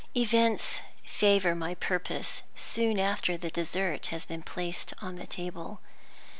Events favor my purpose soon after the dessert has been placed on the table.